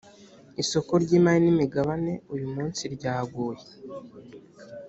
isoko ry’imari ni migabane uyu munsi ryaguye